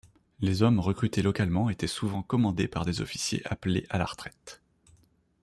Les hommes recrutés localement étaient souvent commandés par des officiers appelés à la retraite.